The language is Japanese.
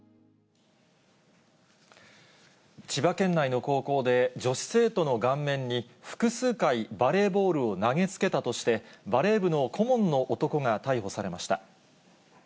千葉県内の高校で、女子生徒の顔面に複数回バレーボールを投げつけたとして、バレー部の顧問の男が逮捕されました。